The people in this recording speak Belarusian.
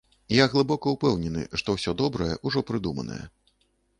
Я глыбока ўпэўнены, што ўсё добрае ўжо прыдуманае.